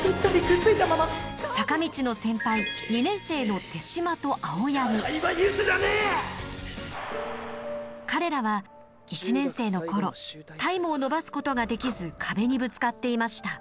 坂道の先輩彼らは１年生の頃タイムを伸ばすことができず壁にぶつかっていました。